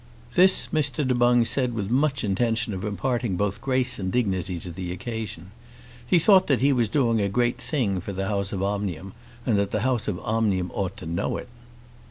This Mr. Du Boung said with much intention of imparting both grace and dignity to the occasion. He thought that he was doing a great thing for the house of Omnium, and that the house of Omnium ought to know it.